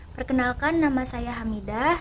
perkenalkan nama saya hamidah